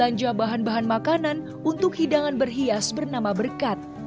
aduh sudah sudah sudah pak